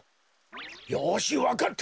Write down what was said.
よしわかった。